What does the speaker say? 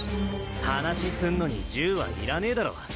話すんのに銃はいらねぇだろ。